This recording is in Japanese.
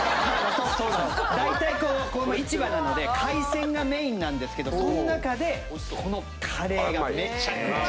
大体この市場なので海鮮がメインなんですけどその中でこのカレーがめちゃくちゃ。